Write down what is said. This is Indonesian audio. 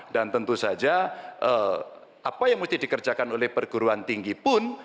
dan tentu saja apa yang mesti dikerjakan oleh perguruan tinggi pun